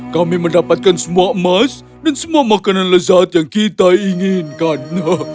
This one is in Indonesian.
kami mendapatkan semua emas dan semua makanan lezat yang kita inginkan